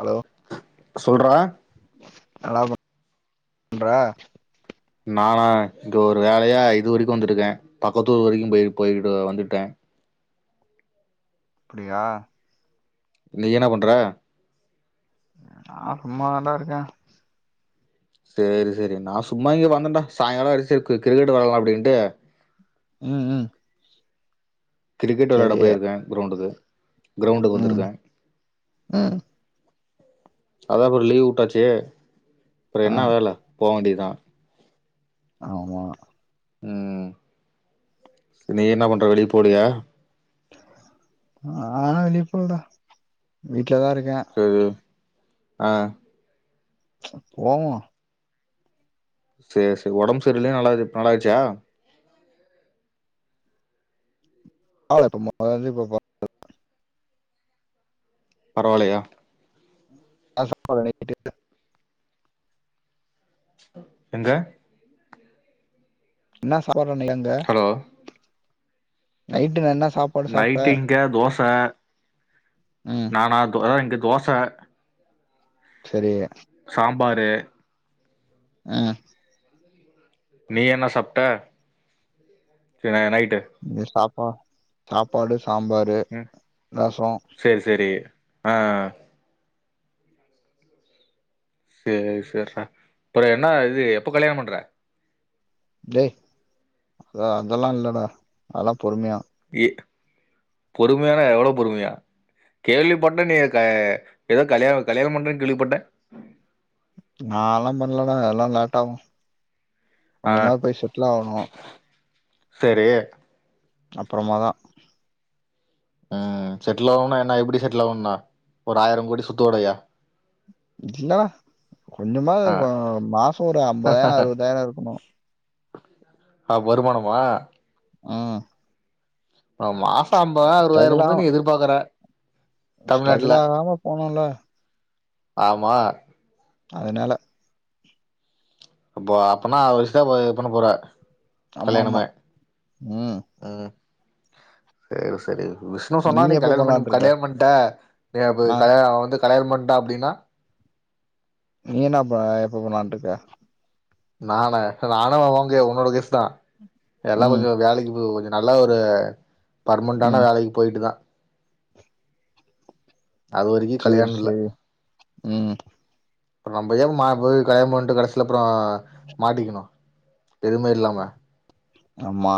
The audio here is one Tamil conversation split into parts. ஹலோ சொல்றா நல்லா பண்றா நானா இங்க ஒரு வேலையா இது வரைக்கு வந்துருக்கே பக்கத்தூரு வரைக்கு போய் போய்ட்டு வந்துட்டே அப்டியா நீ என்ன பண்ற நா சும்மா தான்டா இருக்கே செரி செரி நா சும்மா இங்க வந்துட்டே சாயங்கால வரிச்சு கிரிக்கெட் வெலாடலா அப்படின்ட்டு ம் ம் கிரிக்கெட் வெளாட சரி போயிருக்கே க்ரௌண்டுக்கு க்ரௌண்டுக்கு ம் வந்திருகே ம் அதா அப்பற லீவ் விட்டாச்சே அப்பற ஆ என்னா வேல போ வேண்டியதா ஆமா ம் நீ என்ன பண்ற வெளிய போலயா நா வெளிய போல வீட்டுலதா இருக்கே ஊ ஆ போவோ செரி செரி ஒடம்பு சரிலயே நல்லா நல்லாயிச்சா [unintelligible] பரவால்லயா [unintelligible] எங்க என்ன சாப்பாடு இன்னிலந்து ஹலோ நைட்டு என்ன சாப் நைட்டு் இங்க தோச ம் நானா அது இங்க தோச சரி சாம்பாரு ம் நீ என்ன சாப்ட்ட இனை நைட்டு நீ சாப்பா சாப்பாடு சாம்பாரு ம் ரசோ சேரி சரி ஆ சேரி சரிட அப்பறோ என்ன இது எப்போ கல்யாணோ பண்ற டே அதெல்லா இல்லடா அதுலா பொறுமையா ஏ பொறுமையானா எவ்ளோ பொறுமையா கேள்விப்பட்டே நீ க எதோ கல்யாணோ கல்யாணோ பண்றேன்னு கேள்விப்பட்டே நாலா பண்லடா எல்லா லேட்டாகு ஆ ஆகணு செரி அப்றோமாதா ம் செட்டுல் ஆவனுனா என்ன எப்டி செட்டுல் ஆவனுனா ஒரு ஆயிரோ கோடி சொத்தோடையா இல்லா கொஞ்சமா ஆ மா மாசோ ஒரு அம்பதாயிரோ அறுவதாயிரோ இருக்கணு ஆ வருமானமா ம் ம் ஆ மாசோ அம்பதாயிரோ அறுவதாயிரோ வந்து நீ எதிர்பாக்குற ஸ்ட்ரகுள் ஆகாம போனுல்ல ஆமா அதுனால அப்போ அப்பனா அறுது வயஷ்தா போ பண்ண போற ஆமாமா. கல்யாணமே ம். ம் செய்னு செரிவு விஷ்ணு சொன்னா நீ எப்ப கல்யாணோ பண்ணலான்ட்டு பன்னும் இருக்க? கல்யாணோ பண்ட்ட ய பு ஆ. கல்யாணோ அவெ வந்து கல்யாணோ பண்ட்டா அப்டினா நீ என்னப்பா எப்ப பண்லான்ருக்க நான நால வா ஓங்கே உங்களோட கேஸ் தா எல்லா ம், கொஞ்சோ வேலைக்கு போ கொஞ்சோ நல்ல ஒரு பர்மென்டான ம். வேலைக்கு போயிட்டு தா அது வரைக்கு சரி, கல்யாணோ இல்ல சரி. ம். நம்ம ஏ மா போய் கல்யாணோ பண்ட்டு கடைசில அப்றோ மாட்டிக்கணு எதுவுமே இல்லாம ஆமா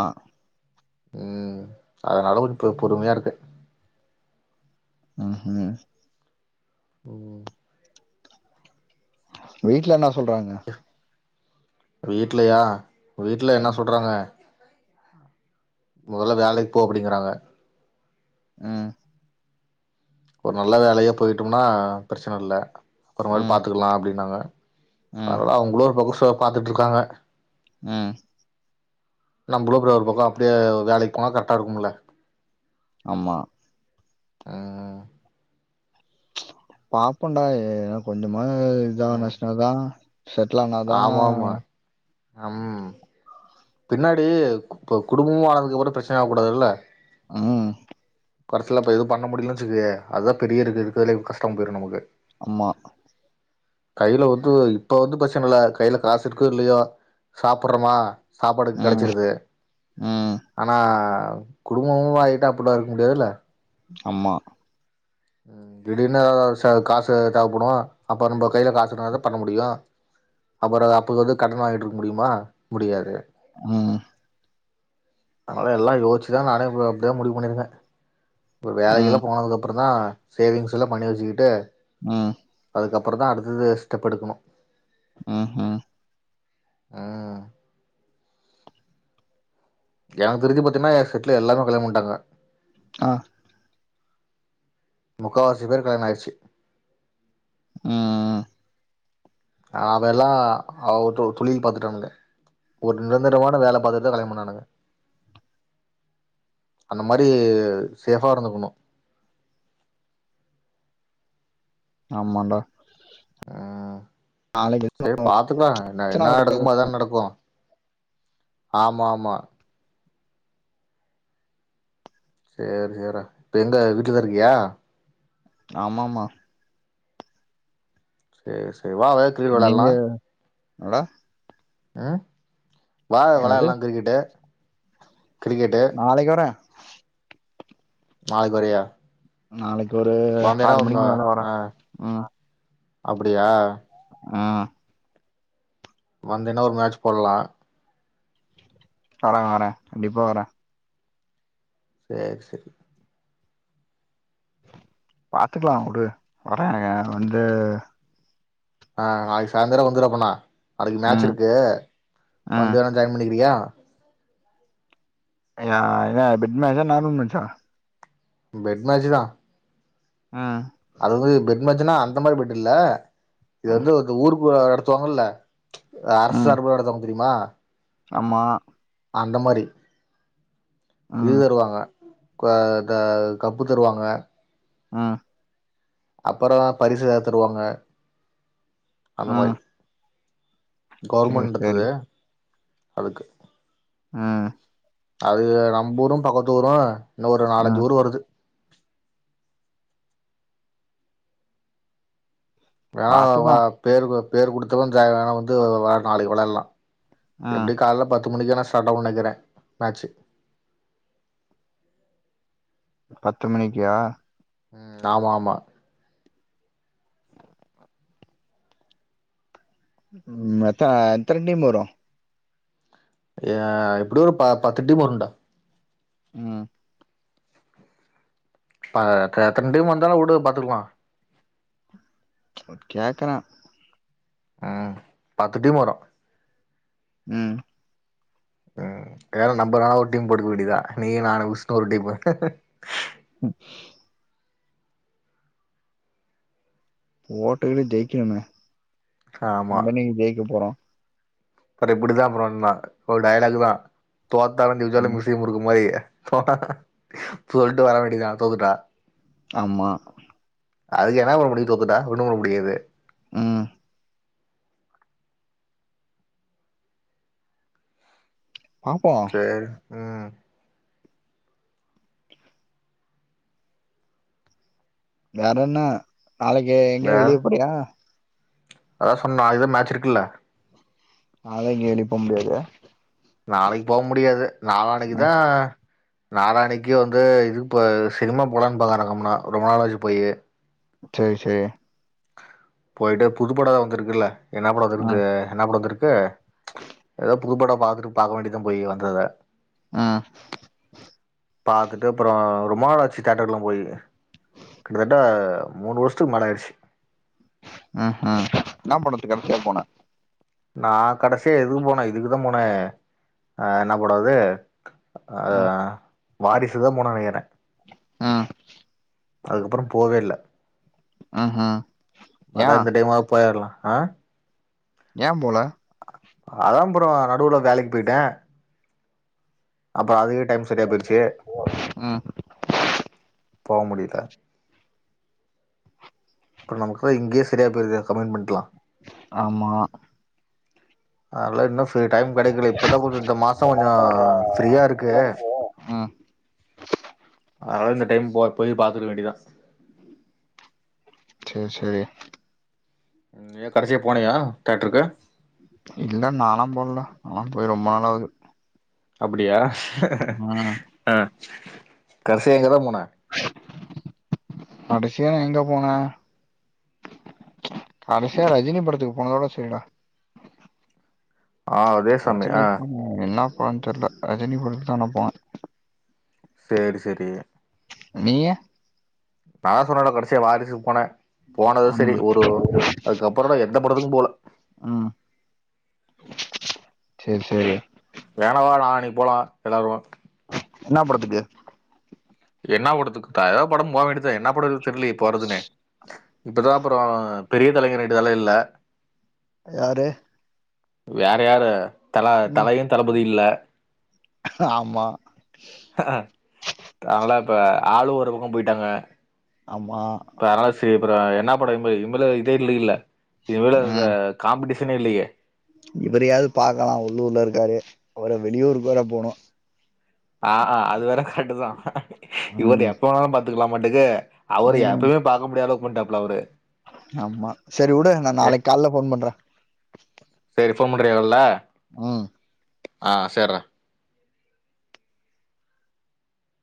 ம் அதுனால கொஞ்சோ பொ பொறுமையா இருக்கே ம் ஹும் ம் வீட்ல என்ன சொல்றாங்க வீட்லயா வீட்ல என்ன சொல்றாங்க மொதல்ல வேலைக் போ அப்புடிங்கிறாங்க ம் ஒரு நல்ல வேலையா போய்டம்னா ப்ரச்சன இல்ல அப்ரமால் ம், பாத்துக்லா அப்டின்னாங்க ம், அதுனால அவுங்களு ஒரு பக்கோ சோ பாத்துகுட்ருக்காங்க ம் நம்மளு அப்றோ ஒரு பக்கோ அப்டியே வேலைக்கி போன கரெக்டா இருக்குமுல்ல ஆமா ம் பாப்போன்டா ஏன்னா கொஞ்சமாது இதான ம் நஷ்டோ ஆகுதா செட்டுல் ஆனாதா அம் பின்னாடி கு இப்ப குடும்பமு ஆனதுக்கு அப்றோ ப்ரச்சனையா ஆக கூடாதுல ம் கடைசில இப்ப எதுவு பண்ண முடியல்னு வச்சுக்கையே அதுதா பெரிய இருக்கு இருக்குறதுளையு கஷ்டமா போய்ரு நமக்கு அம்மா கையில வந்து இப்ப வந்து ப்ரச்சன இல்ல கையில காசு இருக்கு இல்லையோ சாப்புட்றமா சாப்பாடு ம், கெடச்சிருது ம். ஆனா குடும்பமு ஆயிட்டா அப்புடிலா இருக்க முடியாதுல்ல அம்மா ம் திடீர்னு எதாது அவசியோ அதுக்கு காசு தேவப்படு அப்போ நம்ம கையில காசு இருந்தாதா பண்ண முடியு அப்பறோ அப்போ வந்து கடன் வாங்கிட்டு இருக்க முடியுமா முடியாது ம் நாங்கள்லா எல்லா யோசிச்சுதா நானே இப்ப அப்டிதா முடிவு பண்ணிருக்க ஒரு வேல ம். கீல போனதுக்க அப்றோந்தா சேவிங்ஸ் எல்லா பண்ணி வச்சுக்கிட்டு ம் அதுக்கப்புறந்தா அடுத்தது ஸ்டெப் எடுக்கணு ம் ஆ எனக்கு தெரிஞ்சி பாத்தீன்னா ஏ செட்ல எல்லாருமே கல்யாணோ பண்ணிட்டாங்க ஆ முக்காவாசி பேர் கல்யாண ஆயிடுச்சி ம் ம் அவெல்லா அவர்ட்ட ஒரு தொழில் பாத்துட்டானுங்க ஒரு நிரந்தரமான வேல பாத்துட்டுதா கல்யாணோ பண்ணானுங்க அந்த மாரி சேஃபா இருந்துக்கணு ஆமாண்டா ஆ செரி பாத்துக்கலா என்ன பிரச்சன என்ன இருக்கு நடக்குமோ அதான நடக்கு ஆமாமா சேர் சேர்றா இப்ப எங்க வீட்லதா இருக்கியா ஆமாமா சேரி சேரி வாவே கிரிகெட் நீங்க வெளாட்லா என்னடா ம் வாய என்னது வெளால்லா கிரிக்கெட்டு கிரிக்கெட்டு நாளைக்கு வர நாளைக்கு வரியா நாளைக்கு ஒரு வந்தேன்னா ஆறு ஒரு மணிக்கு ம- மேல வர ஆ ம் அப்டியா ம் வந்தீனா ஒரு மேட்ச் போட்லா வர வர கண்டிப்பா வர சேர் சேரி பாத்துக்கலா உடு வர வந்து ஆ நாளைக்கு சாய்ந்தரோ வந்துரு அப்பன்னா நாளைக்கு மேட்ச் ம் இருக்கு ம் வந்து வேணா ஜாயின் பண்ணிக்கிறியா ஏ என்ன பெட் மேட்சா நார்மல் மேட்சா பெட் மேச்சுதா ம் அது வந்து பெட் மேச்சுனா அந்த மாரி பெட் இல்ல இது வந்து ஊருக்குள்ள நடத்துவாங்கல்ல அரசு ம் சார்பாக நடத்துவாங்க தெரியுமா ஆமா அந்த மாரி இது ம் தருவாங்க கு த கப்பு தருவாங்க ம் அப்பற பரிசு ஏதாது தருவாங்க அந்த ம் மாரி சரி கவர்மெண்ட் சரி நடத்துது அதுக்கு ம் அது நம்ப ஊரு பக்கத்து ஊரு இன்னு ஒரு ம் நாலஞ்சு ஊர் வருது வேணா வா பாத்துக்கலாம் பேரு கு பேர் குடுத்தவன் [unintelligible] வேணா வந்து வா நாளைக்கு விள்ளலா ம் எப்டி கால பத்து மணிக்கு ஆனா ஸ்டாட் அவு நெனைக்கிறே மேட்சு பத்து மணிக்கா ம் ஆமா ஆமா ம் மொத்த எந்தன டிம்வரு ஏ எப்டி ஒரு ப பத்து டீமு வருடா ம் ப அத்த அத்தன டீம் வந்தாலு வுடு பாத்துக்குளா கேக்கறா ம் பத்து டிம் வரு ம் ம் வேற நம்ப நாளு ஒரு டீம் போட்டுக்க வேண்டியுதா நீ நானு விஷ்னு ஒரு டீமு ம் ஓட்டுக்கிட்டு ஜெயிக்கணுமே ஆமா நம்ப என்னைக்கி ஜெயிக்க போறோ அப்றோ எப்டித்தா அப்றோ இன்னா ஒரு டையலாக் தா தோத்தாலு ஜெயிச்சாலு ம் மீசைய முருக்கு மாரி [inaudible] சொல்டு வரவேண்டியதா தோத்துட்டா ஆமா அதுக்கு என்னா பண்ண முடியு தோத்துட்ட ஒன்னு பண்ண முடியாது ம் பாப்போ சேரி ம் வேற என்ன நாளைக்கி எங்கல்கியது வேறயின்னா நாளைக்கு எங்கியது வேற வெளிய போறியா அதா சொன்னோ அதுதா மேட்ச இருக்குல்ல நாளைக்கு எப்டி போம்முடியது நாளைக்கு போ முடியாது நாளானைக்கு தா ம் நாளானிக்கு வந்து இதுக்கு போ இ சினிமா போகலான்னு பாகக்கம்னா ரொம்ப நாளாச்சு போய் சேரி சேரி போயிட்டு புதுப்பட பாடி ஏது வந்திருக்குல்ல என்ன படம் இருக்கு ம் என்ன படம் வந்த இருக்கு ஏதாவ்து புதுப்படோ பாத்துட்டு பாக்க வேண்டிதா போய் வந்தத ம் பாத்துட்டு அப்றோ ரொமாலாச்சி தேட்டர் எல்லா போய் கிட்டத்தட்ட மூணு வருஷத்துக்கு மல ஆயிடுச்சி ம் ஹும் என்னன் படத்துக்குத்துக் கடைசி யா போனேன் நா கடைசிய எதுக்கு போனேன் இதுக்கு தா போனேன் அ என்னபட அது ஆ ஆ ம் வாரிசுதா போன நெனக்கிறேன் ம் அதுக்கப்புறோ போ வே இல்ல ம்ஹும் ஏ அதா இந்த டைமாவு போயிடலாம் ஆ ஏன் போல அதா ப்ரோ நடுவுல வேலக்கு போயிட்டே அப்றோ அது டைம் சரியா போய்டுச்சு ஒ ம் போவ முடியில அப்போரோ நமக்கு உள்ளது இங்கே சரிய போயிருது கமெண்டடு எல்லா ஆமா அதெல்லா இன்ன [unintelligible] டைம் கெடைக்கல இப்பதா கொஞ்சோ இந்த மாசோ கொஞ்சோ ஃப்ரீயா இருக்கு ம் அதனால இந்த டைம் போ போய் பாத்துக்க வேண்டிதா சேரி சேரி நீ ஏ கடைசியா போனியா தேட்டருக்கு இல்ல நாலா போலடா நாலா போய் ரொம்ப நாள் ஆகுது அப்புடியா ம் ஆ கடசியா எங்கதா போன கடசியா நா எங்க போனே கடசியா ரஜினி படத்துக்கு போனதோட செரிடா ஆ அதே சாமி ரஜினி ஆ படோ என்னா படோனு தெர்ல ரஜினி படத்துக்குதா நா போனே சேரி சேரி நீயு நாதா சொன்னல கடசியா வாரிசுக் போனே போனது செரி ம் ஒரு அதுக்கப்புறோ நா எந்த படத்துக்கு போல ம் சேரி சேரி வேணா வேணா நாளானிக்கு போலா எல்லாரு என்னா படத்துக்கு என்னா படத்துக்குதா எதா படோ போ வேண்டிதா என்னா படோ இருக்குன் தெர்லயே போறதுனே இப்பதா அப்புறோ பெரிய தலைங்க ரெண்டு தல இல்ல யாரு வேற யாரு தல ம் தலையு தளபதி இல்ல ஆமா அ அ அதனால இப்ப ஆளு ஒரு பக்கோ போய்ட்டாங்க ஆமா இப்ப அதனால செரி அப்பறோ என்னா படோ இன்மே இன்மேல் இதே இல்லைங்லே இனிமேலு இது காம்பிடேஷனே இல்லையே இவரயாது பாக்கலா உள்ளூர்ல இருக்காரு அவர வெளியூருக்கு வேற போனு ஆ அ அது வேற கரெக்ட்டுதா இவர ம் எப்ப வேணாலு பாத்துக்கலாமாட்டுக்கு அவரு ம் எப்பமே பாக்க முடியாத அளவுக் பண்ட்டாப்ல அவரு ஆமா செரி உடு நா நாளைக் கால்ல ஃபோன் பண்றே சேரி ஃபோன் பண்றியா கால்ல ம் ஆ சேர்றா